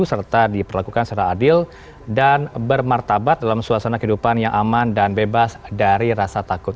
serta diperlakukan secara adil dan bermartabat dalam suasana kehidupan yang aman dan bebas dari rasa takut